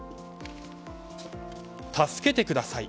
助けてください。